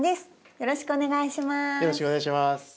よろしくお願いします。